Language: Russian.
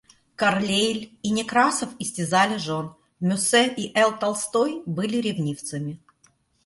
Карлейль и Некрасов истязали жен. Мюссе и Л. Толстой были ревнивцами.